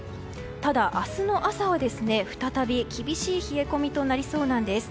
ただ、明日の朝は再び厳しい冷え込みとなりそうなんです。